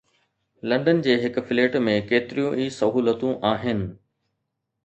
London جي هڪ flat ۾ ڪيتريون ئي سهولتون آهن.